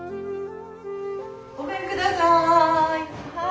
ごめんください。